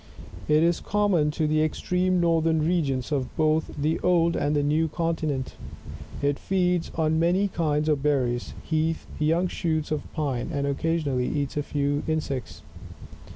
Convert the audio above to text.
It is common to the extreme northern regions of both the old and new continent. It feeds on many kinds of berries, heath, young shoots of pine, and occasionally eats a few insects.